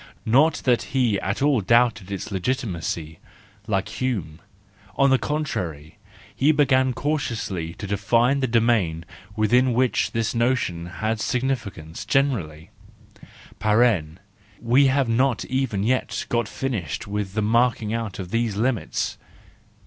Not that he at all doubted its legitimacy, like Hume: on the contrary, he began cautiously to define the domain within which this notion has significance generally (we have not even yet got finished with the marking out of these limits).